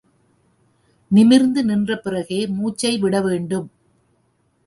நிமிர்ந்து நின்ற பிறகே மூச்சை விட வேண்டும்.